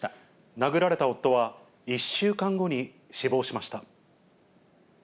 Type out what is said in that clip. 殴られた夫は、１週間後に死亡しました。